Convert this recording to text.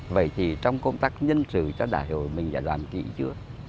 vậy thì trong công tác nhân sự cho đại hội mình đã đoàn kỹ chưa